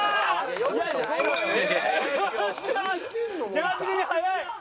ジャージ組速い。